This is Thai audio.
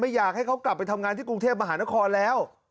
อยากให้เขากลับไปทำงานที่กรุงเทพมหานครแล้ว